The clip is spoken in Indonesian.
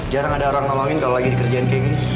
jarang ada orang nolongin kalau lagi dikerjain kayak gini